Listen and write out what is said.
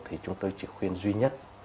thì chúng tôi chỉ khuyên duy nhất